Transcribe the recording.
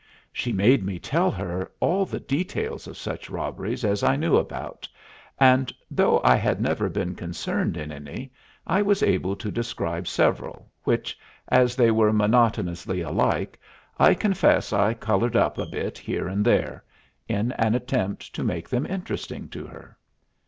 She made me tell her all the details of such robberies as I knew about, and, though I had never been concerned in any, I was able to describe several, which, as they were monotonously alike, I confess I colored up a bit here and there, in an attempt to make them interesting to her.